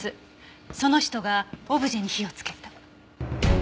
その人がオブジェに火をつけた。